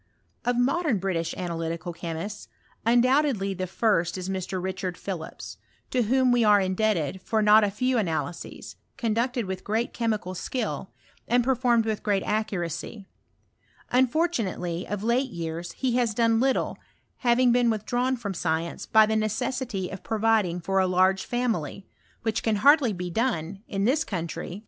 Of modern British analytical chemists, undoubtedly the first is Mr. Richard Philips ; to whom we are indebted for not a few ana lyses, conducted with great chemical skill, and per formed with great accuracy. Unfortunately, of late years he has done little, having been withdrawn from science by the necessity of providing for a large fa mily, which can hardly be done, in this country. ■ studeni *an«tOBY OF CHEMISTRY.